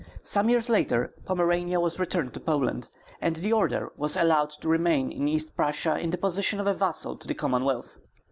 Some years later Pomerania was returned to Poland, and the order was allowed to remain in East Prussia in the position of a vassal to the Commonwealth.